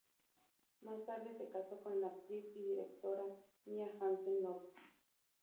Más tarde se casó con la actriz y directora Mia Hansen-Løve.